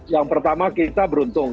yang pertama kita beruntung